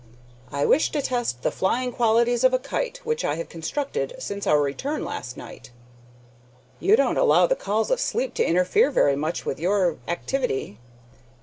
"I wish to test the flying qualities of a kite which I have constructed since our return last night." "You don't allow the calls of sleep to interfere very much with your activity."